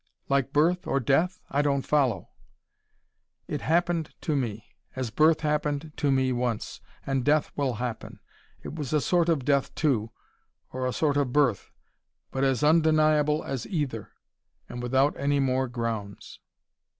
"Like birth or death? I don't follow." "It happened to me: as birth happened to me once and death will happen. It was a sort of death, too: or a sort of birth. But as undeniable as either. And without any more grounds."